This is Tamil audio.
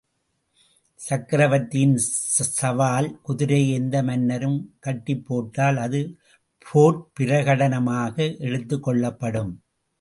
சக்கரவர்த்தியின் சவால் குதிரையை, எந்த மன்னரும் கட்டிப் போட்டால், அது போர்ப் பிரகடனமாக எடுத்துக் கொள்ளப்படும்.